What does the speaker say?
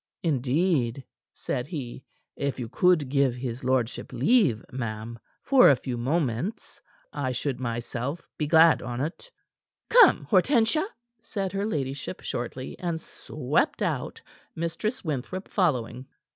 "Indeed," said he, "if you could give his lordship leave, ma'am, for a few moments, I should myself be glad on't." "Come, Hortensia," said her ladyship shortly, and swept out, Mistress Winthrop following.